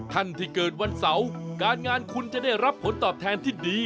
ท่านที่เกิดวันเสาร์การงานคุณจะได้รับผลตอบแทนที่ดี